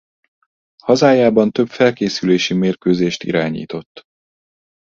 Hazájában több felkészülési mérkőzést irányított.